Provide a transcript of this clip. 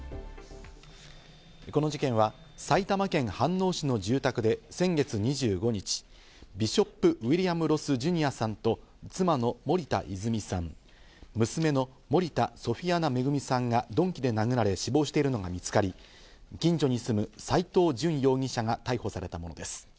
この事件は埼玉県飯能市の住宅で先月２５日、ビショップ・ウィリアム・ロス・ジュニアさんと妻の森田泉さん、娘の森田ソフィアナ恵さんが鈍器で殴られ死亡しているのが見つかり、近所に住む斎藤淳容疑者が逮捕されたものです。